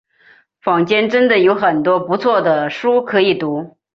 坊间真的有很多不错的书可以读